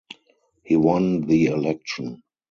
He won the election.